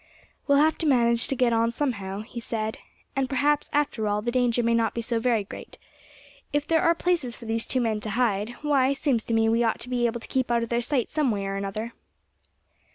"We'll have to manage to get on, somehow," he said; "and perhaps, after all, the danger may not be so very great. If there are places for these two men to hide, why, seems to me we ought to be able to keep out of their sight some way or another."